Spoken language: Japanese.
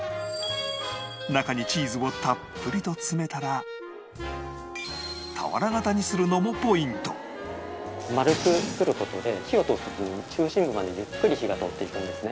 中にチーズをたっぷりと詰めたら俵型にするのもポイント丸く作る事で火を通す部分の中心部までゆっくり火が通っていくんですね。